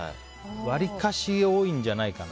割かし多いんじゃないかな。